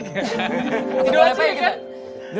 dulu dola cili kan